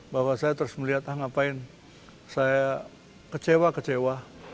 bahwa saya terus melihat ah ngapain saya kecewa kecewa